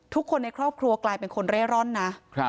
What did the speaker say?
ทุกคนในครอบครัวกลายเป็นคนเร่ร่อนนะ